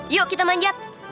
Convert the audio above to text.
yuk kita manjat